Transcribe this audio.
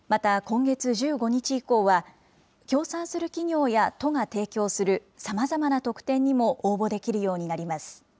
また今月１５日以降は、協賛する企業や都が提供するさまざまな特典にも応募できるようになります。